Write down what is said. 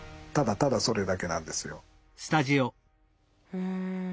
うん。